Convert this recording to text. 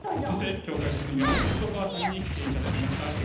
そして今日解説には細川さんに来ていただきました。